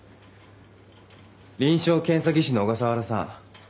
臨床検査技師の小笠原さん